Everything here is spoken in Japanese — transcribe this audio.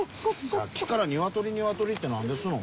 さっきからニワトリニワトリって何ですの？